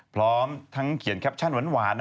พร้อมทั้งเขียนแคปชั่นหวาน